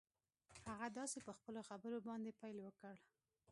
هغه داسې په خپلو خبرو باندې پيل وکړ.